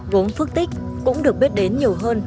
gốm phước tích cũng được biết đến nhiều hơn